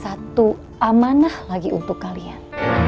satu amanah lagi untuk kalian